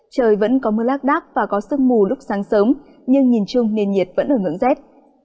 trời vẫn có mưa lác đác và có sương mù lúc sáng sớm nhưng nhìn chung nền nhiệt vẫn ở ngưỡng rét